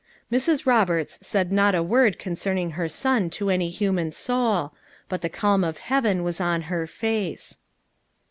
" Mrs. Roberts said not a word concerning her son to any human soul, but the calm of heaven was on her face.